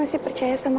aku akan terus jaga kamu